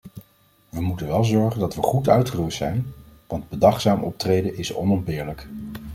We moeten wel zorgen dat we goed uitgerust zijn, want bedachtzaam optreden is onontbeerlijk.